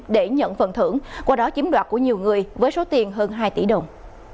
để nhận phần thưởng qua đó chiếm đoạt của nhiều người với số tiền hơn hai tỷ đồng